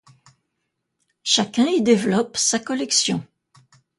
Chacun y développe sa collection.